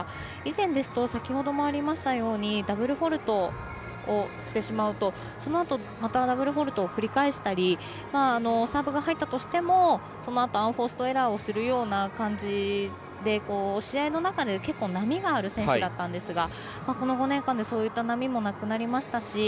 以前ですと先ほどもありましたようにダブルフォールトをしてしまうとそのあと、またダブルフォールト繰り返したりサーブが入ったとしてもそのあとアンフォーストエラーをするような感じで試合の中で波がある選手だったんですがこの５年間で、そういった波もなくなりましたし。